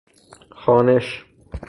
خوانش